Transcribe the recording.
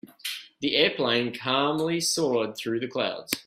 The airplane calmly soared through the clouds.